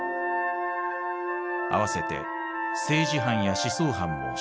併せて政治犯や思想犯も釈放。